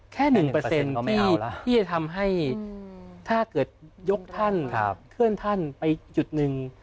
แค่๑ที่จะทำให้ถ้าเกิดยกท่านเคลื่อนท่านไปจุดหนึ่ง